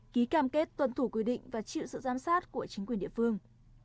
ký cam kết tuân thủ quy định và chịu sự giám sát của chính quyền địa phương